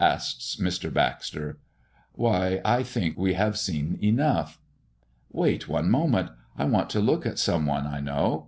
asks Mr. Baxter. "Why I think we have seen enough." "Wait one moment, I want to look at some one I know.